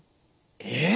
えっ？